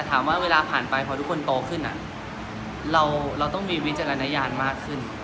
ส่งข้อความรู้คือเราส่งของเขาตลอด